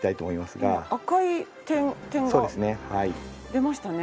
赤い点が出ましたね。